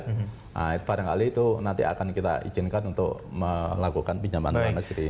nah itu barangkali itu nanti akan kita izinkan untuk melakukan pinjaman luar negeri